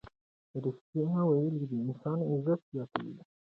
ریښتیا ویل د انسان عزت زیاتوي.